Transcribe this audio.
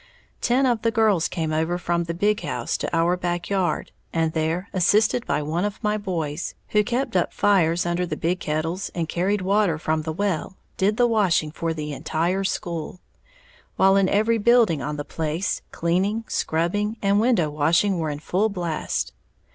Ten of the girls came over from the big house to our back yard, and there, assisted by one of my boys, who kept up fires under the big kettles and carried water from the well, did the washing for the entire school; while in every building on the place cleaning, scrubbing and window washing were in full blast.